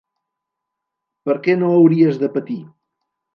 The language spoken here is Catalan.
Per què no hauries de patir?